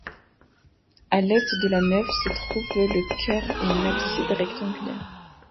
À l’est de la nef se trouvent le chœur et une abside rectangulaire.